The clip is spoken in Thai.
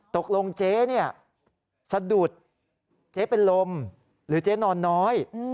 เจ๊เนี่ยสะดุดเจ๊เป็นลมหรือเจ๊นอนน้อย